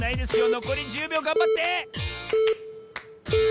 のこり１０びょうがんばって！